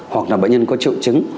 hoặc là bệnh nhân có triệu chứng